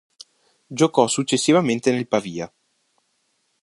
Giocò successivamente nel Pavia.